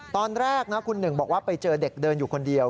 ตอนแรกนะคุณหนึ่งบอกว่าไปเจอเด็กเดินอยู่คนเดียว